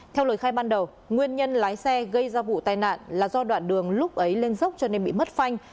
theo lời khai ban đầu nguyên nhân lái xe gây ra vụ tai nạn là do đoạn đường lúc ấy lên dốc cho nên bị mất phanh